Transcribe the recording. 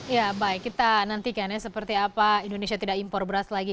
ya baik kita nantikan ya seperti apa indonesia tidak impor beras lagi